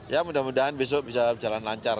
ya mudah mudahan besok bisa berjalan lancar